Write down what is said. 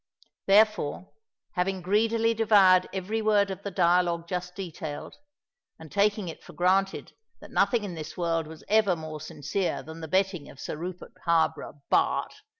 Therefore, having greedily devoured every word of the dialogue just detailed, and taking it for granted that nothing in this world was ever more sincere than the betting of Sir Rupert Harborough, Bart.